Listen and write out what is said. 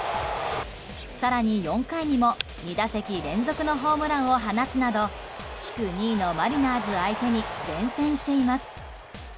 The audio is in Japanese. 更に４回にも、２打席連続のホームランを放つなど地区２位のマリナーズ相手に善戦しています。